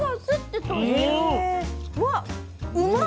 うわっ！